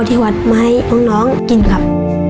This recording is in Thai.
ที่หวัดไม้น้องกินครับ